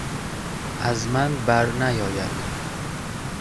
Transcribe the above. از من بر نیآید